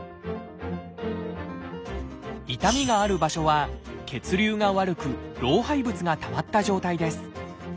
痛みがある場所は血流が悪く老廃物がたまった状態です。